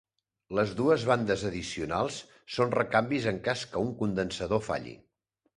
Les dues bandes addicionals són recanvis en cas que un condensador falli.